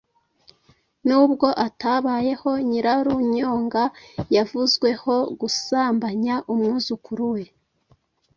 Nubwo atabayeho, Nyirarunyonga yavuzweho gusambanya umwuzukuru we,